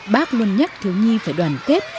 bác luôn nhắc thiếu nhi phải đoàn kết